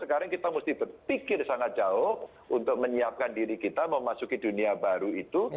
sekarang kita mesti berpikir sangat jauh untuk menyiapkan diri kita memasuki dunia baru itu